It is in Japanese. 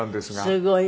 すごい。